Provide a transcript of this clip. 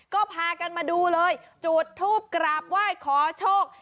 ก็พากันมาดูเลยจุดทูปกราบไหว้ขอโชค